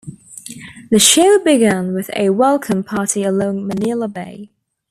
The show began with a welcome party along Manila Bay.